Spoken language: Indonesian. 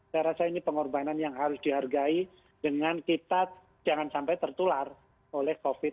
saya rasa ini pengorbanan yang harus dihargai dengan kita jangan sampai tertular oleh covid sembilan belas